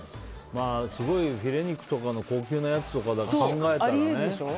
すごいヒレ肉とかの高級なやつ考えたらね。